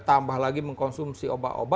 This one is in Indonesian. tambah lagi mengkonsumsi obat obat